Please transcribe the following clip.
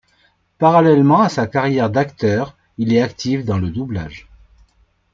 Parallèlement à sa carrière d'acteur, il est actif dans le doublage.